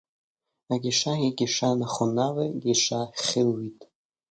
הגישה היא גישה נכונה וגישה חיובית